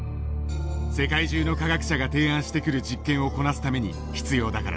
世界中の科学者が提案してくる実験をこなすために必要だからだ。